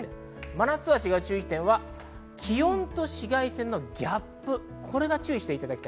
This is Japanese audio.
真夏とは違う注意点は、気温と紫外線のギャップです。